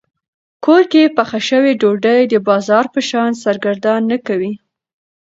کور کې پخه شوې ډوډۍ د بازار په شان سرګردان نه کوي.